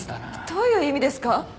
どういう意味ですか？